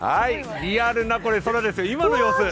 リアルな空ですよ、今の様子。